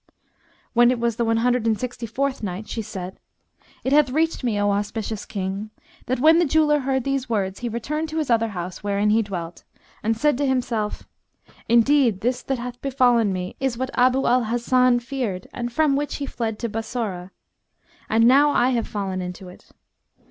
When it was the One Hundred and Sixty fourth Night, She said, It hath reached me, O auspicious King, that when the jeweller heard these words he returned to his other house wherein he dwelt, and said to himself, "Indeed this that hath befallen me is what Abu al Hasan feared and from which he fled to Bassorah. And now I have fallen into it."